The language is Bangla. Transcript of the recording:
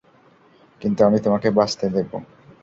কিন্তু আমি তোমাকে বাঁচতে দেবো।